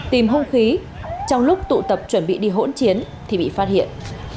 tìm hông khí trong lúc tụ tập chuẩn bị đi hỗn chiến thì bị phát hiện